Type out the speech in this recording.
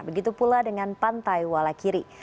begitu pula dengan pantai walakiri